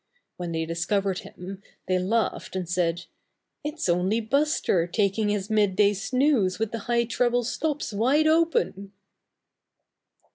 When they discovered him, they laughed and said: 'Tt's only Buster taking his mid day snooze with the high treble stops wide open.